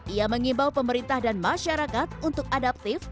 ia mengimbau pemerintah dan masyarakat untuk adaptif